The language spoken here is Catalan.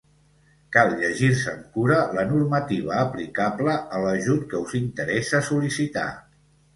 Cal llegir-se amb cura la normativa aplicable a l'ajut que us interessa sol·licitar.